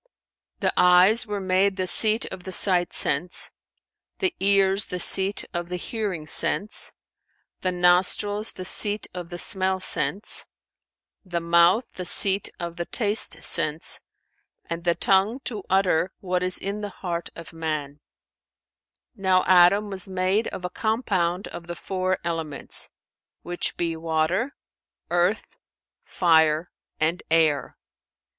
The eyes were made the seat of the sight sense, the ears the seat of the hearing sense, the nostrils the seat of the smell sense, the mouth the seat of the taste sense and the tongue to utter what is in the heart of man.[FN#393] Now Adam was made of a compound of the four elements, which be water, earth, fire and air.